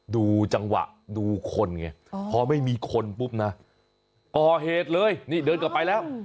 ดูจังหวะดูคนไงพอไม่มีคนปุ๊บนะก่อเหตุเลยนี่เดินกลับไปแล้ว